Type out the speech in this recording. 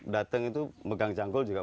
datang itu megang canggul juga